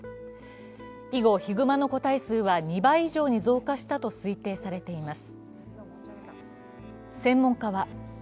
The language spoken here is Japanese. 以後、ヒグマの個体数は２倍以上に増加したと推定されています。